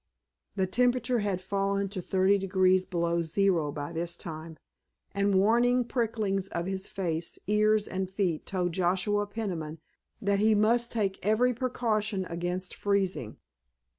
The temperature had fallen to thirty degrees below zero by this time, and warning prickings of his face, ears and feet told Joshua Peniman that he must take every precaution against freezing.